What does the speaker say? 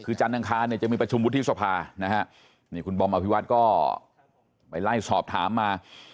คือจันนางคาจะมีประชุมวุฒิศภานะครับคุณบอมอภิวัตรก็ไปไล่สอบถามมา